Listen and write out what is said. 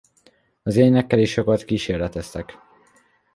Az énekkel is sokat kísérleteztek.